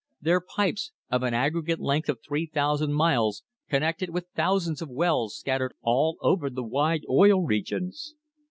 Their pipes, of an aggregate length of 3,000 miles, connected with thousands of wells scattered all over the wide Oil Regions.